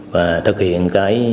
và thực hiện cái